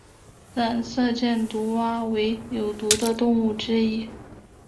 染色箭毒蛙为有毒的动物之一。